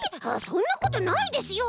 そんなことないですよ！